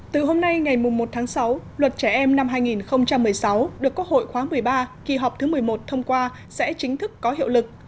từ hôm nay ngày một tháng sáu luật trẻ em năm hai nghìn một mươi sáu được quốc hội khóa một mươi ba kỳ họp thứ một mươi một thông qua sẽ chính thức có hiệu lực